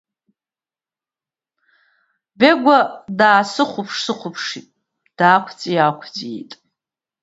Бегәа даасыхәаԥш-сыхәаԥшит, даақәҵәи-аақәҵәиит.